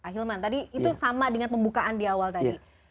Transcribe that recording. ahilman tadi itu sama dengan pembukaan di awal tadi